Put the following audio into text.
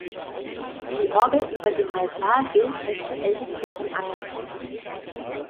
Die Orgel über dem Altar gilt als die älteste in Angeln.